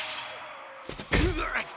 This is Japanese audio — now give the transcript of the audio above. うわっ！